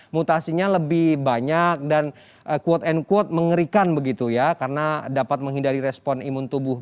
mutasinya lebih banyak dan quote unquote mengerikan begitu ya karena dapat menghindari respon imun tubuh